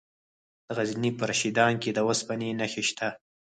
د غزني په رشیدان کې د اوسپنې نښې شته.